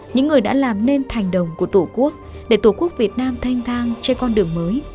những người đã làm nên thành đồng của tổ quốc để tổ quốc việt nam thanh thang trên con đường mới